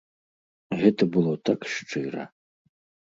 Гэта было так шчыра.